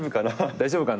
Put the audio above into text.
大丈夫かな。